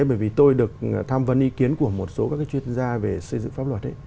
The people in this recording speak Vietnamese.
bởi vì tôi được tham vấn ý kiến của một số các chuyên gia về xây dựng pháp luật